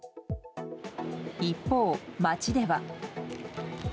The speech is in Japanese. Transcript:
一方、街では。